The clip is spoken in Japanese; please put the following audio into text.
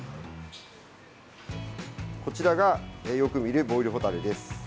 こちらが、よく見るボイルホタルです。